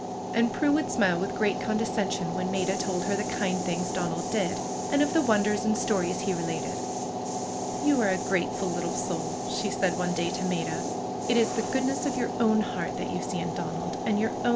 And Prue would smile with great condescension when 'Maida told her the kind things Donald did, and of the wonders and stories he related. ^^You are a grateful little soull'^ she said one day to Maida. ^Ht is the goodness of your own heart that you see in Donald, and your own.